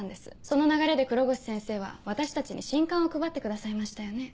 その流れで黒越先生は私たちに新刊を配ってくださいましたよね。